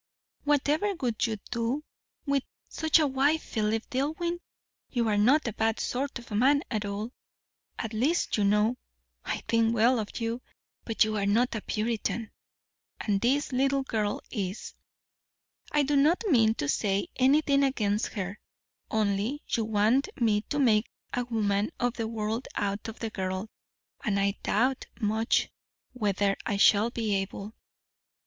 Whatever would you do with such a wife, Philip Dillwyn? You are not a bad sort of man at all; at least you know I think well of you; but you are not a Puritan, and this little girl is. I do not mean to say anything against her; only, you want me to make a woman of the world out of the girl and I doubt much whether I shall be able.